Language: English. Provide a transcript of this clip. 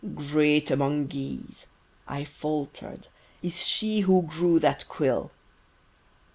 "Great among geese," I faltered, "Is she who grew that quill!"